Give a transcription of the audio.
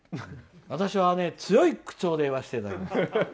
私は強い口調で言わせていただきます！